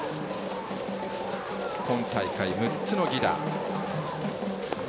今大会６つの犠打。